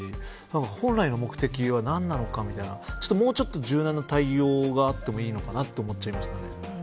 本来の目的は何なのかというのをもうちょっと柔軟な対応があってもいいのかなと思っちゃいました。